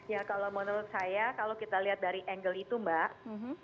ya kalau menurut saya kalau kita lihat dari angle itu mbak